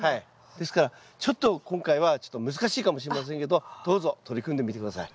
ですからちょっと今回はちょっと難しいかもしれませんけどどうぞ取り組んでみて下さい。